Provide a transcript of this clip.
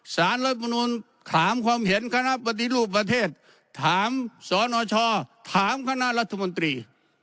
สารรัฐมนุนถามความเห็นคณะปฏิรูปประเทศถามสนชถามคณะรัฐมนตรี